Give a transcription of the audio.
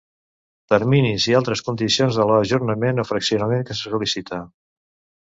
Terminis i altres condicions de l'ajornament o fraccionament que se sol·licita.